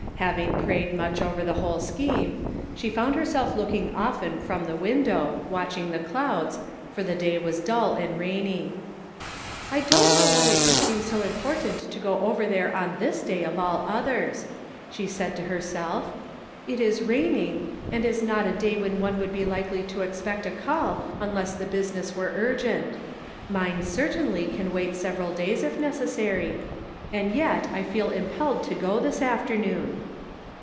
Having prayed much over the whole scheme, she found herself looking often from the window, watching the clouds, for the day was dull and rainy. "I don't know why it should seem so import ant to go over there on this day of all others," she said to herself; "it is raining, and is An Open Door. 289 not a day when one would be likely to expect a call unless the business were urgent; mine certainly can wait several days if necessary, and yet I feel impelled to go this afternoon."